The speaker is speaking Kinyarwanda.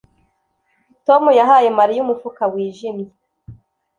Tom yahaye Mariya umufuka wijimye